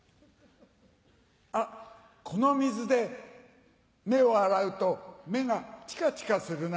あっこの水で目を洗うと目がチカチカするな。